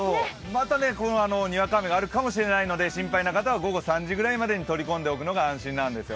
またにわか雨があるかもしれないので心配な方は午後３時くらいまでに取り込んでおくのが安心です。